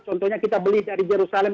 contohnya kita beli dari jerusalem